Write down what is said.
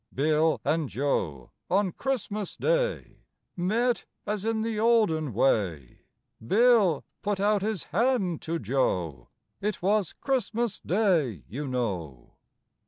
Bill and Joe on Christmas Day Met as in the olden way; Bill put out his hand to Joe, It was Christmas Day, you know.